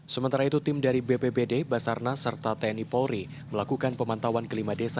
sementara itu tim dari bpbd basarnas serta tni polri melakukan pemantauan ke lima desa yang terisolir